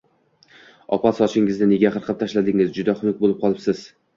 Opa sochingizni nega qirqib tashladingiz, juda hunuk bo`p qopsiz